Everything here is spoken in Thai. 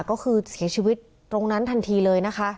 ก็คือเสียชีวิตตรงนั้นทันทีเลยนะคะ